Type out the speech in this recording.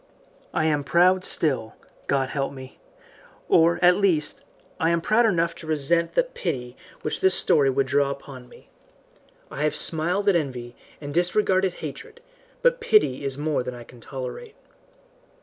I am proud still God help me! or, at least, I am proud enough to resent that pity which this story would draw upon me. I have smiled at envy, and disregarded hatred, but pity is more than I can tolerate.